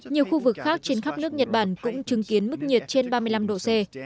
nhiều khu vực khác trên khắp nước nhật bản cũng chứng kiến mức nhiệt trên ba mươi năm độ c